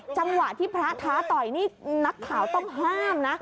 จังหวะที่พระท้าต่อยนี่นักข่าวต้องห้ามนะ